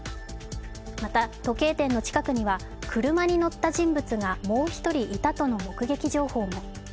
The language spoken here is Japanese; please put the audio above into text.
また、時計店の近くには車に乗った人物がもう１人いたとの目撃情報も。